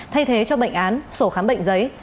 thay thế cho bệnh án sổ khám bệnh giấy